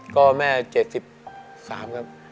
ก็แม่๗๓ครับ